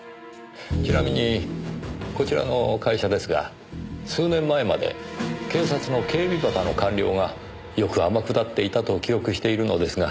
ちなみにこちらの会社ですが数年前まで警察の警備畑の官僚がよく天下っていたと記憶しているのですが。